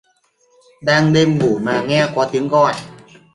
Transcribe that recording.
Đang đêm ngủ mà nghe có tiếng gọi